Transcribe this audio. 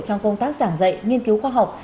trong công tác giảng dạy nghiên cứu khoa học